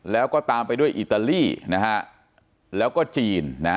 แล้วก็ตามไปด้วยอิตาลีนะฮะแล้วก็จีน